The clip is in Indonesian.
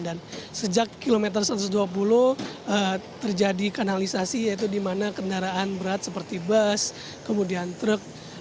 dan sejak kilometer satu ratus dua puluh terjadi kanalisasi yaitu di mana kendaraan berat seperti bus kemudian truk